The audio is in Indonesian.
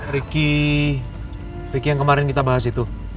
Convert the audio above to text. ricky ricky yang kemarin kita bahas itu